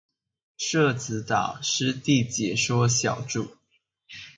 社子島濕地解說小築